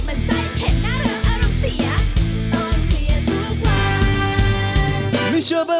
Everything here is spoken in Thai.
มั่นใจมั่นใจเห็นหน้าเริ่มอารมณ์เสียตอนเคลียร์ทุกวัน